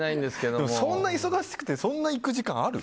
でも、そんな忙しくてそんな行く時間ある？